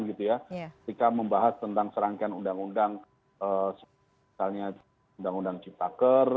ketika membahas tentang serangkaian undang undang misalnya undang undang ciptaker